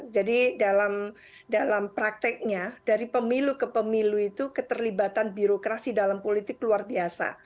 jadi dalam prakteknya dari pemilu ke pemilu itu keterlibatan birokrasi dalam politik luar biasa